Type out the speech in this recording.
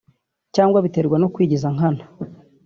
cyangwa biterwa no kwigiza nkana